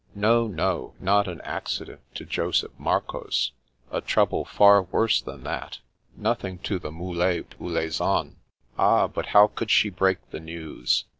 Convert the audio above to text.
No, no, not an accident to Joseph Marcoz. A trouble far worse than that. Nothing to the mulet ou les anes. Ah, but how could she break the news